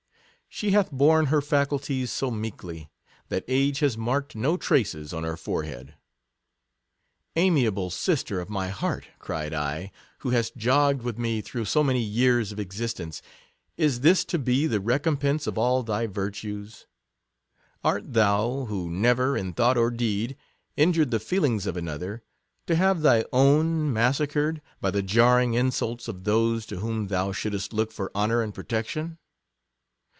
She "hath borne her faculties so meek ly," that age has marked no traces on her forehead. Amiable sister of my heart! cried I, who hast jogged with me through so many years of existence, is this to be the recom pense of all thy virtues ; art thou, who never, in thought or deed, injured the feel ings of another, to have thy own massacred, by the jarring insults of those to whom thou shouldst look for honour and protection?